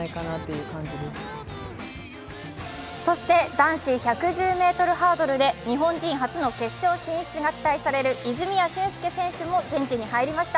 男子１１０ｍハードルで日本人初の決勝進出が期待される泉谷駿介選手も現地に入りました。